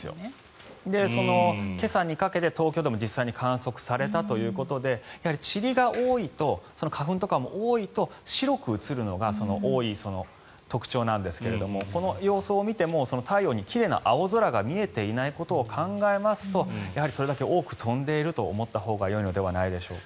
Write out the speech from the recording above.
今朝にかけて東京でも観測されたということでちりが多いと花粉とかも多いと白く映るのが多い特徴なんですがこの様子を見ても太陽に奇麗な青空が見えていないことを考えますとやはりそれだけ多く飛んでいると思ったほうがよいのではないでしょうか。